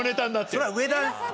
それは上田か。